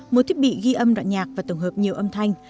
một thiết bị ghi âm đoạn nhạc và tổng hợp nhiều âm thanh